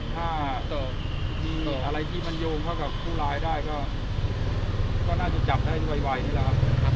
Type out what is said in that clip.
ถ้าเกิดอะไรที่มันโยงเข้ากับผู้ร้ายได้ก็น่าจะจับได้ไวนี่แหละครับ